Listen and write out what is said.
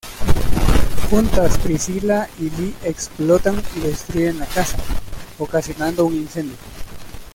Juntas, Priscilla y Lee explotan y destruyen la casa, ocasionando un incendio.